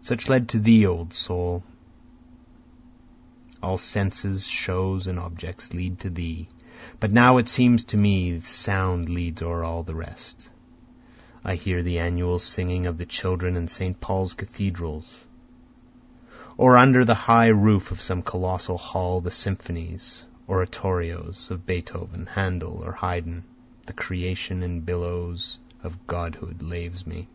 (Such led to thee O soul, All senses, shows and objects, lead to thee, But now it seems to me sound leads o'er all the rest.) I hear the annual singing of the children in St. Paul's cathedral, Or, under the high roof of some colossal hall, the symphonies, oratorios of Beethoven, Handel, or Haydn, The Creation in billows of godhood laves me.